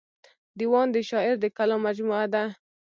دېوان د شاعر د کلام مجموعه ده.